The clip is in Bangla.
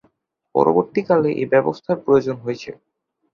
পরবর্তীকালে এই ব্যবস্থার প্রয়োজন হয়েছে।